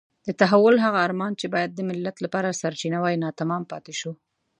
د تحول هغه ارمان چې باید د ملت لپاره سرچینه وای ناتمام پاتې شو.